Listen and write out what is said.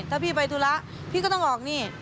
ถ้าพี่ไปธุระพี่ก็ต้องออกนี่